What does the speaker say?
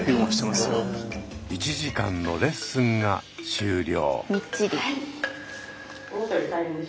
１時間のレッスンが終了。